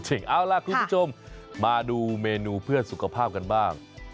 เอาล่ะคุณผู้ชมมาดูเมนูเพื่อสุขภาพกันบ้าง